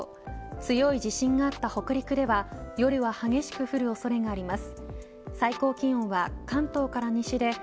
強い地震があった北陸では夜は激しく降る恐れがあります。